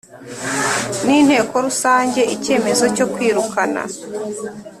N inteko rusange icyemezo cyo kwirukana